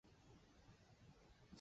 这房子也是贷款买来的